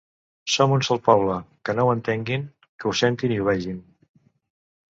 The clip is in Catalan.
Som un sol poble, que ho entenguin, que ho sentin i ho vegin.